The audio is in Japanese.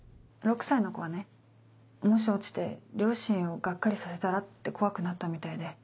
６歳の子はねもし落ちて両親をガッカリさせたらって怖くなったみたいで。